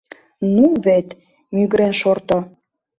Ну вет мӱгырен шорто.